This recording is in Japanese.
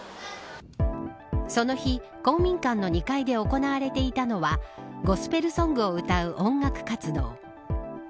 その日、公民館の２階で行われていたのはゴスペルソングを歌う音楽活動。